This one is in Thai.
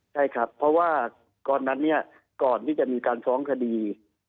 ใช่ครับเพราะว่าก่อนนั้นเนี่ยก่อนที่จะมีการฟ้องคดี